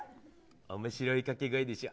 面白い掛け声でしょ。